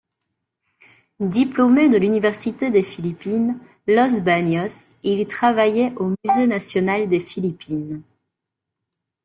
Diplômé de l'université des Philippines, Los Baños, il travaille au musée national des Philippines.